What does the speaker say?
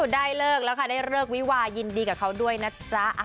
ได้เลิกแล้วค่ะได้เลิกวิวายินดีกับเขาด้วยนะจ๊ะ